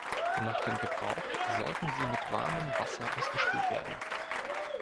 Nach dem Gebrauch sollten sie mit warmem Wasser ausgespült werden.